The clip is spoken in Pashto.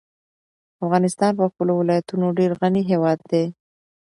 افغانستان په خپلو ولایتونو ډېر غني هېواد دی.